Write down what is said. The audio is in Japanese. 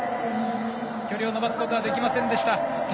距離を伸ばすことはできませんでした。